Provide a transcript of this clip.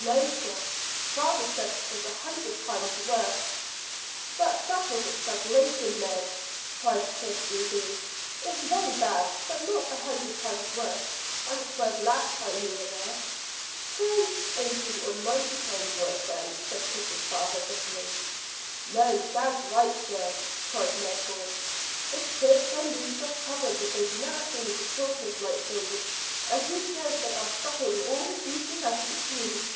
"No, sir. Father said it was a hundred times worse." "But that was exaggeration, Ned," cried Chris eagerly. "It's very bad, but not a hundred times worse than it was last time we were there." "Say eighty or ninety times worse, then," said Chris's father bitterly. "No; dad's right, sir," cried Ned Bourne. "The twigs and leaves are covered with those nasty little tortoise like things, and he says they are sucking all the juices out of the trees."